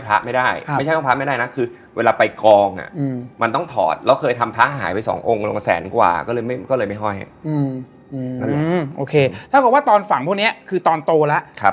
แถวเราหรือว่ามันเป็นโฮมเจียเตอร์ของเขา